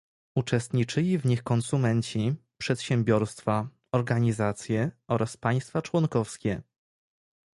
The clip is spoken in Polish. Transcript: Uczestniczyli w nich konsumenci, przedsiębiorstwa, organizacje oraz państwa członkowskie